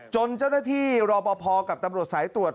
จนเจ้าหน้าที่รอปภกับตำรวจสายตรวจ